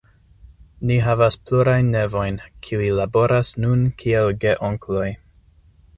Ni havas plurajn nevojn, kiuj laboras nun kiel geonkloj.